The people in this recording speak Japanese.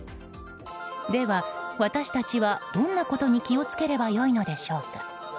では、私たちはどんなことに気を付ければ良いのでしょうか。